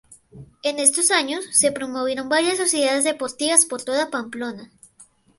En estos años se promovieron varias sociedades deportivas por toda Pamplona.